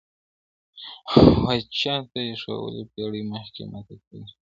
• و چاته چي ښوولی پېړۍ مخکي ما تکبیر دی..